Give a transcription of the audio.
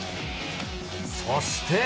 そして。